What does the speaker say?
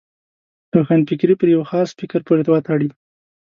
روښانفکري پر یو خاص فکر پورې وتړي.